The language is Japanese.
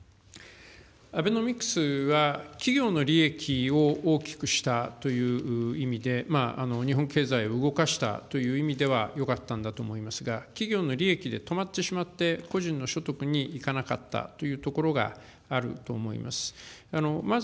アベノミクスは企業の利益を大きくしたという意味で、日本経済を動かしたという意味ではよかったんだと思いますが、企業の利益で止まってしまって、個人の所得にいかなかったというところがあると思います。